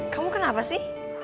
kamu kenapa sih